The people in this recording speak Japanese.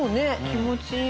気持ちいい。